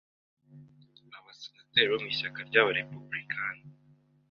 Aba senateri bo mu ishyaka ry'abarepubulikani